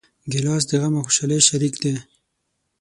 ګیلاس د غم او خوشحالۍ شریک دی.